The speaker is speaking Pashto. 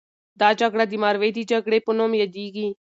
دا جګړه د مروې د جګړې په نوم یادیږي.